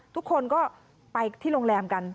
ทุกคนก็ไปที่โรงแรมกัน